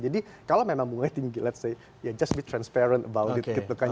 jadi kalau memang bunganya tinggi let's say ya just be transparent about it gitu kan